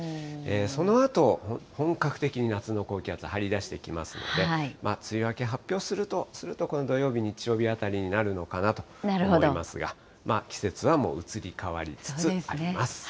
そのあと、本格的に夏の高気圧、張り出してきますので、梅雨明け発表するとすると、この土曜日、日曜日あたりになるのかなと思いますが、季節はもう移り変わりつつあります。